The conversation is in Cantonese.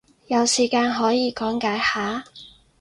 有時間可以講解下？